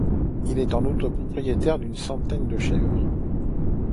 Il est en outre propriétaire d'une centaine de chèvres.